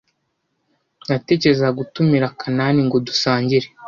Natekerezaga gutumira Kanani ngo dusangire.